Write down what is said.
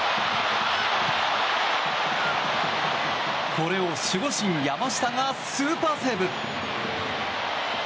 これを守護神、山下がスーパーセーブ！